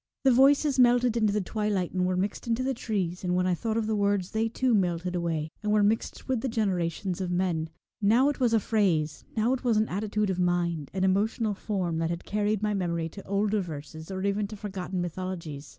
The voices Twilight, melted into the twilight, and were mixed into the trees, and when I thought of the words they too metted away, and were mixed with the generations of men. Now it was a phrase, now it was an attitude of mind, an emotional form, that had carried my memory to older verses, or even to forgotten mythologies.